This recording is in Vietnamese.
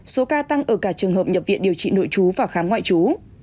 số ca tăng ở cả trường hợp nhập viện điều trị nội chú và khám ngoại trú